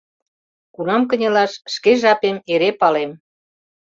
— Кунам кынелаш, шке жапем эре палем.